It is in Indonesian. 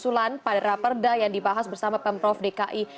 usulan pada raperda yang dibahas bersama pemprov dki